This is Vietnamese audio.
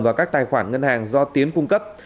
vào các tài khoản ngân hàng do tiến cung cấp